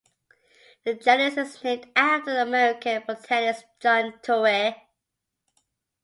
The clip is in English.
The genus is named after the American botanist John Torrey.